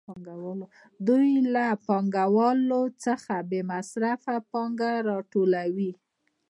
دوی له پانګوالو څخه بې مصرفه پانګه راټولوي